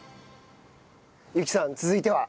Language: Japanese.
有希さん続いては？